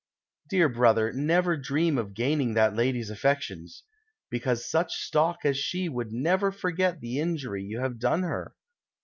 " Dear brother, never dream of gaining that lady's affec tions ; because such stock as she would never forget the injury you have done her.